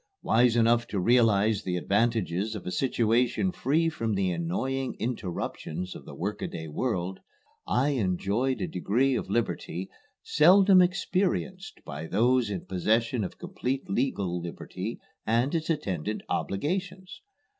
Wise enough to realize the advantages of a situation free from the annoying interruptions of the workaday world, I enjoyed a degree of liberty seldom experienced by those in possession of complete legal liberty and its attendant obligations.